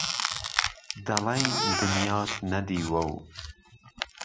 دهڵهی دنیات نهدیوه و